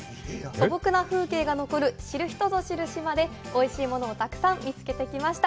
素朴な風景が残る知る人ぞ知る島でおいしいものをたくさん見つけてきました。